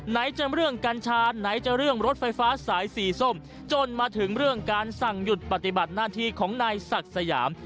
ไหนจะเรื่องกัญชาไหนจะเรื่องรถไฟฟ้าสายสีส้มจนมาถึงเรื่องการสั่งหยุดปฏิบัติหน้าที่ของนายศักดิ์สยาม